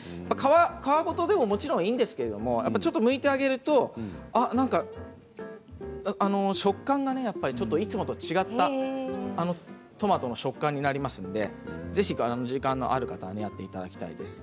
皮ごとでもいいんですがむいてあげると食感がね、いつもと違ったトマトの食感になりますのでぜひ時間のある方にはやっていただきたいです。